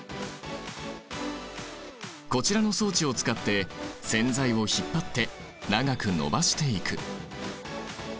こちらの装置を使って線材を引っ張って長く延ばしていく。